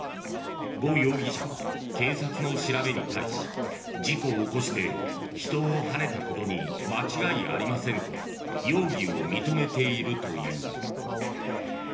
呉容疑者は警察の調べに対し事故を起こして人をはねたことに間違いありませんと容疑を認めているという。